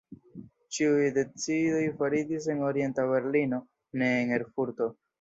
Ĉiuj decidoj faritis en Orienta Berlino, ne en Erfurto.